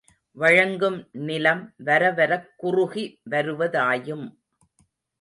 வழங்கும் நிலம் வரவரக் குறுகி வருவதாயும்